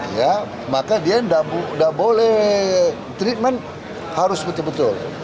ya maka dia udah boleh treatment harus betul betul